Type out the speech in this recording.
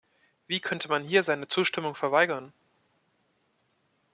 Wie könnte man hier seine Zustimmung verweigern?